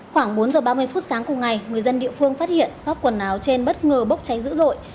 khoảng bốn giờ ba mươi phút sáng cùng ngày người dân địa phương phát hiện sóc quần áo trên bất ngờ bốc cháy dữ dội